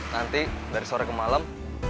nanti dari sore ke malam